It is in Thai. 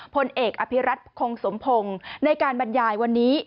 พลเอกอภิรัตคงสมพงศ์ในการบรรยายวันนี้